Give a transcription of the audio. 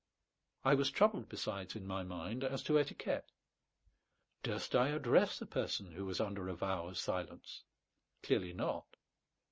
I was troubled besides in my mind as to etiquette. Durst I address a person who was under a vow of silence? Clearly not.